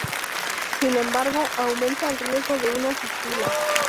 Sin embargo, aumenta el riesgo de una fístula.